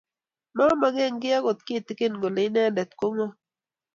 Momoke kiy agot kitigin Ole inendet ko ngo